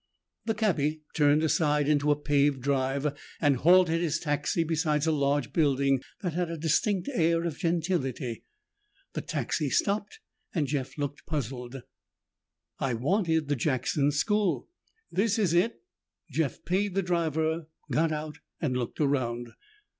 The cabbie turned aside into a paved drive and halted his taxi beside a large building that had a distinct air of gentility. The taxi stopped and Jeff looked puzzled. "I wanted the Jackson School." "This is it." Jeff paid the driver, got out and looked around.